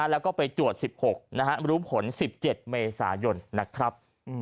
แล้วก็ไปตรวจ๑๖รู้ผล๑๗เมษายนนะครับ